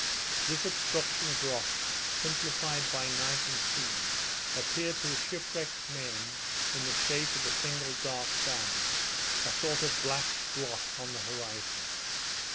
This obstruction of rocks, simplified by night and sea, appeared to the shipwrecked men in the shape of a single dark band, a sort of black blot on the horizon.